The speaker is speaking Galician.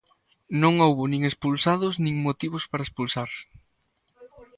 Non houbo nin expulsados nin motivos para expulsar.